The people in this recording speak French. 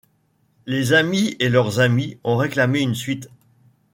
Les amis et leurs amis ont réclamé une suite.